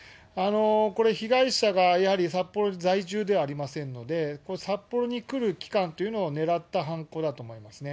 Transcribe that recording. これ、被害者がやはり札幌在住ではありませんので、これ、札幌に来る期間というのを狙った犯行だと思いますね。